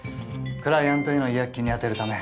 クライアントへの違約金に充てるため